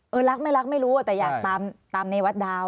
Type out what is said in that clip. รักไม่รักไม่รู้แต่อยากตามในวัดดาว